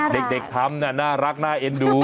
น่ารักด็กทำน่ารักน่าเอ็นดู